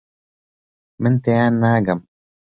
من تێیان ناگەم.